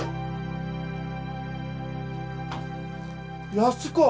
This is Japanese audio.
安子！